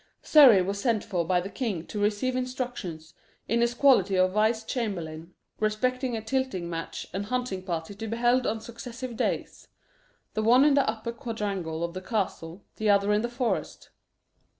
Surrey was sent for by the king to receive instructions, in his quality of vice chamberlain, respecting a tilting match and hunting party to be held on successive days the one in the upper quadrangle of the castle, the other in the forest.